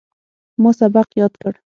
ما سبق یاد کړ.